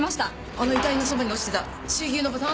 あの遺体のそばに落ちてた水牛のボタン？